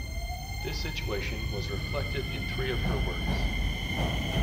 This situation was reflected in three of her works.